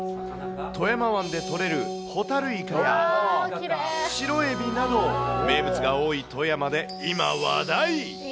富山湾で取れるホタルイカやシロエビなど、名物が多い富山で今話題。